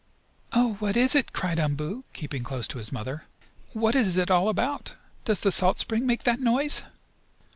"Oh, what is it?" cried Umboo, keeping close to his mother. "What is it all about. Does the salt spring make that noise?"